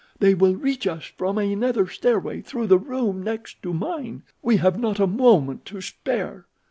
"They will reach us from another stairway through the room next to mine. We have not a moment to spare."